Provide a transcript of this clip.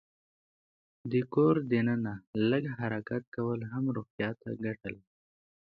د کور دننه لږ حرکت کول هم روغتیا ته ګټه لري.